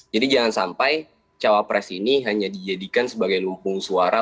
jadi jangan sampai cawa pres ini hanya dijadikan sebagai lumpung suara